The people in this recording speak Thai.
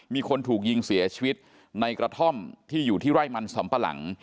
มีคนถูกยิงเสียชีวิตในกระท่อมที่อยู่ที่ไร่มันสำปะหลัง